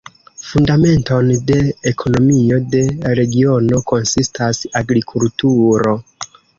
Fundamenton de ekonomio de regiono konsistas agrikulturo.